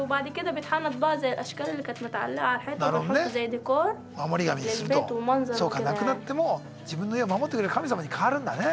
そうか亡くなっても自分の家を守ってくれる神様に変わるんだね。